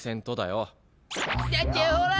だってほら